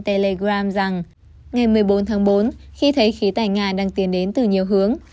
nga nói trên telegram rằng ngày một mươi bốn tháng bốn khi thấy khí tài nga đang tiến đến từ nhiều hướng